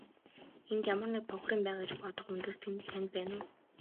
Энд ямар нэг бохир юм байгаа гэж бодох үндэс танд байна уу?